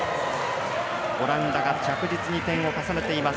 オランダが着実に点を重ねています。